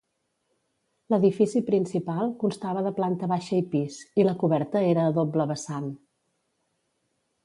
L'edifici principal constava de planta baixa i pis, i la coberta era a doble vessant.